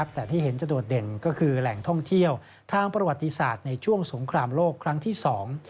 แต่ที่เห็นจะโดดเด่นก็คือแหล่งท่องเที่ยวทางประวัติศาสตร์ในช่วงสงครามโลกครั้งที่สอง